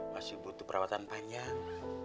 masih butuh perawatan panjang